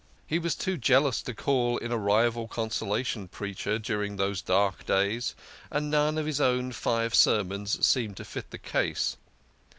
He was too jealous to call in a rival consolation preacher during those dark days, and none of his own five sermons seemed to fit the case.